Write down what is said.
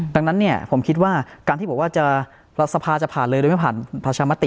ดังนั้นเนี่ยผมคิดว่าการที่บอกว่าจะสภาจะผ่านเลยหรือไม่ผ่านประชามติ